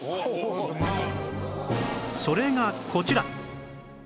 それがこちら